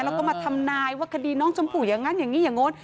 แล้วก็มาทำนายว่าคดีน้องชมพู่อย่างนั้นอย่างนี้อย่างโน้น